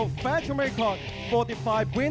สวัสดีครับทายุรัฐมวยไทยไฟตเตอร์